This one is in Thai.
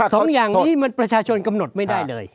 สองอย่างนี้มันประชาชนกำหนดไม่ได้เลย